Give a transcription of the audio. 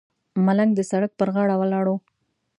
ملنګ د سړک پر غاړه ولاړ و.